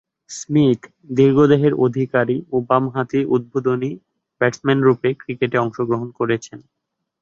Smith দীর্ঘ দেহের অধিকারী ও বামহাতি উদ্বোধনী ব্যাটসম্যানরূপে ক্রিকেটে অংশগ্রহণ করছেন।